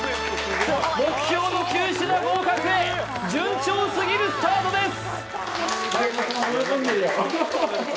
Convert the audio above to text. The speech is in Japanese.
目標の９品合格へ順調すぎるスタートです！